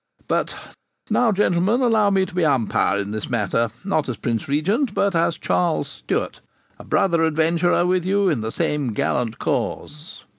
But now, gentlemen, allow me to be umpire in this matter, not as Prince Regent but as Charles Stuart, a brother adventurer with you in the same gallant cause.